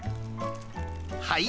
はい。